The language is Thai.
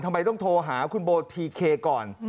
ทำไมต้องโทรหาคุณโบทีเคก่อน